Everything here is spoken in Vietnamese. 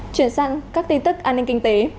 chuyển sang các tin tức an ninh kinh tế